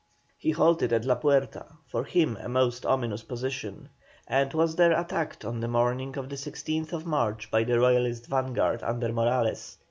He halted at La Puerta, for him a most ominous position, and was there attacked on the morning of the 16th March by the Royalist vanguard under Morales.